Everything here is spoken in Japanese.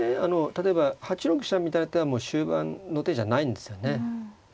例えば８六飛車みたいな手はもう終盤の手じゃないんですよね。